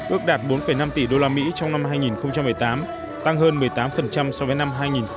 ước đạt bốn năm tỷ usd trong năm hai nghìn một mươi tám tăng hơn một mươi tám so với năm hai nghìn một mươi bảy